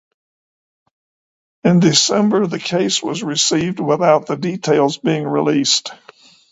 In December, the case was resolved without the details being released.